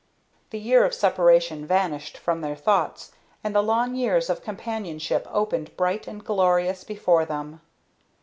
The year of separation vanished from their thoughts, and the long years of companionship opened bright and glorious before them.